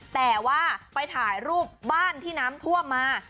แต่ว่าไปถ่ายรูปบ้านที่น้ำท่วมมา